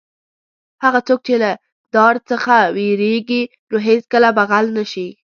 هغه څوک چې له دار څخه وېرېږي نو هېڅکله به غل نه شي.